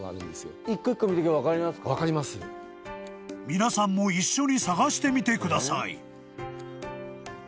［皆さんも一緒に探してみてください］